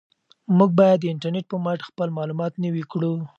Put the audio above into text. موږ باید د انټرنیټ په مټ خپل معلومات نوي کړو.